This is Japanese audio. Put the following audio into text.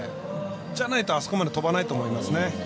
じゃないと、あそこまで飛ばないと思います。